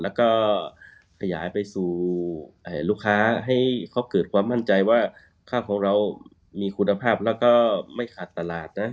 แล้วก็ขยายไปสู่ลูกค้าให้เขาเกิดความมั่นใจว่าข้าวของเรามีคุณภาพแล้วก็ไม่ขาดตลาดนะ